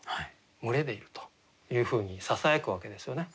「群れでいる」というふうにささやくわけですよね。